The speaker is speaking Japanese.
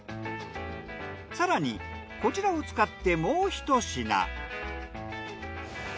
更にこちらを使ってもうひと品。